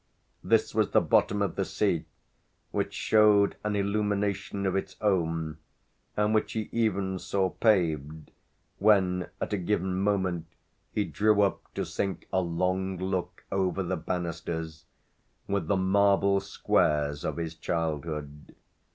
This was the bottom of the sea, which showed an illumination of its own and which he even saw paved when at a given moment he drew up to sink a long look over the banisters with the marble squares of his childhood.